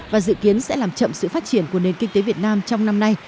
và dự kiến sẽ làm chậm sự phát triển của nền kinh tế việt nam trong năm nay